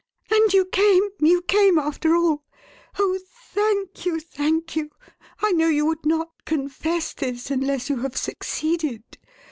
"And you came you came after all! Oh, thank you, thank you! I know you would not confess this unless you have succeeded.